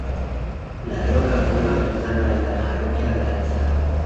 Larroca fue bautizado en la parroquia de Alza.